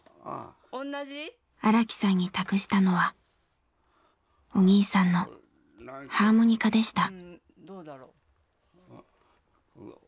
荒木さんに託したのはお兄さんのハーモニカでした。